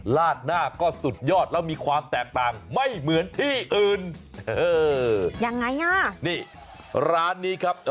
ลาดหน้าก็สุดยอดแล้วมีความแตกต่างไม่เหมือนที่อื่น